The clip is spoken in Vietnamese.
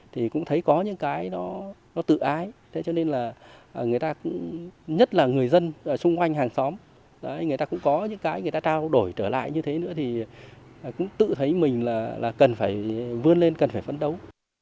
thì cũng thấy có những cái nó tự ái thế cho nên là người ta cũng nhất là người dân xung quanh hàng xóm người ta cũng có những cái người ta trao đổi trở lại như thế nữa thì cũng tự thấy mình là cần phải vươn lên cần phải phấn đấu